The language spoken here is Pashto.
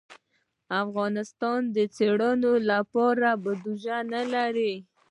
افغانستان د څېړنو لپاره بودیجه نه لري.